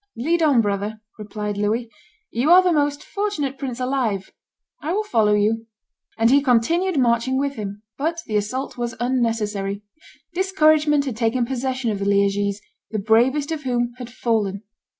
"Lead on, brother," replied Louis; "you are the most fortunate prince alive; I will follow you." And he continued marching with him. But the assault was unnecessary. Discouragement had taken possession of the Liegese, the bravest of whom had fallen.